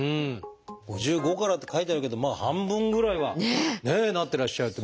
５５からって書いてあるけどまあ半分ぐらいはねなってらっしゃるって。